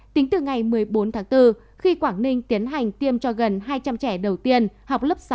tính từ ngày một mươi bốn tháng bốn khi quảng ninh tiến hành tiêm cho gần hai trăm linh trẻ đầu tiên học lớp sáu